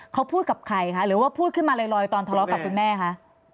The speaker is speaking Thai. เขาพูดกับใครคะหรือว่าพูดขึ้นมาลอยตอนทะเลาะกับคุณแม่คะ